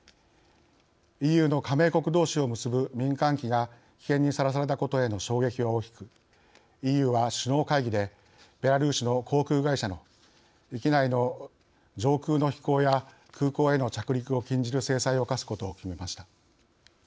ＥＵの加盟国どうしを結ぶ民間機が危険にさらされたことへの衝撃は大きくＥＵは首脳会議でベラルーシの航空会社の域内の上空の飛行や空港への着陸を禁じる制裁を科すことを決めました。